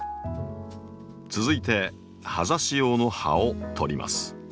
続いて葉ざし用の葉を取ります。